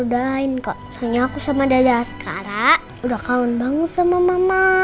udah lain kok hanya aku sama dada askara udah kawan banget sama mama